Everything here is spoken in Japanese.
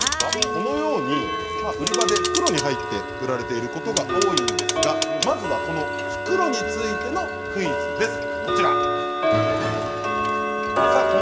このように売り場で袋に入って売られていることが多いんですがまずはこの袋についてのクイズです。